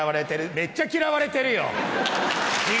めっちゃ嫌われてるよ。